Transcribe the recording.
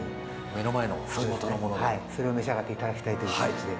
目の前の、はい、それを召し上がっていただきたいという感じで。